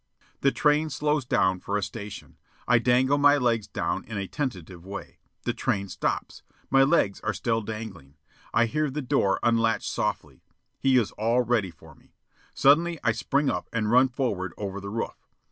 The train slows down for a station. I dangle my legs down in a tentative way. The train stops. My legs are still dangling. I hear the door unlatch softly. He is all ready for me. Suddenly I spring up and run forward over the roof.